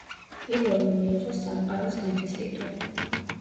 პირველმა მიიღო „სამყაროს მეფის“ ტიტული.